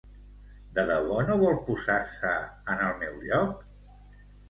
De debò no vol posar-se en el meu lloc?